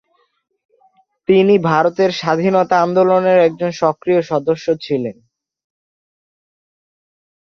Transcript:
তিনি ভারতের স্বাধীনতা আন্দোলনের একজন সক্রিয় সদস্য ছিলেন।